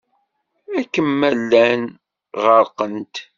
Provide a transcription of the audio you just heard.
Akken ma llant ɣerqent.